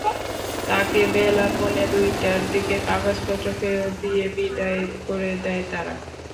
তাঁকে বেলা পৌনে দুইটার দিকে কাগজপত্র ফেরত দিয়ে বিদায় করে দেয় তারা।